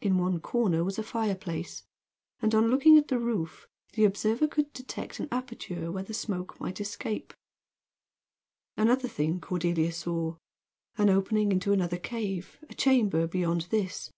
In one corner was a fireplace, and on looking at the roof the observer could detect an aperture where smoke might escape. Another thing Cordelia saw: an opening into another cave, a chamber beyond this.